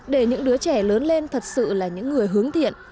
để những đứa trẻ lớn lên thật sự là những người hướng thiện